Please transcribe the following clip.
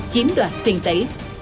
chiếm đoạn tiền tỷ